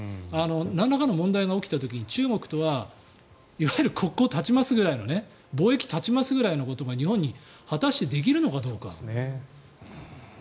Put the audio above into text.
なんらかの問題が起きた時に中国とはいわゆる国交断ちますくらいの貿易断ちますぐらいのことが日本に果たしてできるのかどうか。